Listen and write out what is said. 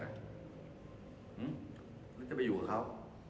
หื้มมันจะไปอยู่กับเขา